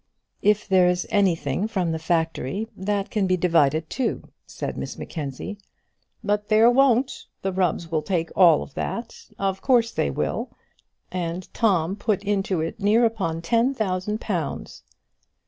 "If there is anything from the factory, that can be divided too," said Miss Mackenzie. "But there won't. The Rubbs will take all that; of course they will. And Tom put into it near upon ten thousand pounds!"